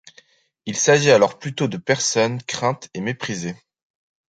Il s'agit alors plutôt de personnes craintes et méprisées.